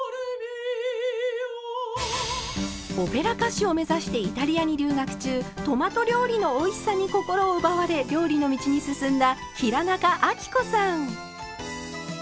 オペラ歌手を目指してイタリアに留学中トマト料理のおいしさに心を奪われ料理の道に進んだ平仲亜貴子さん。